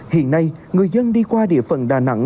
hiện nay người dân đi qua địa phận đà nẵng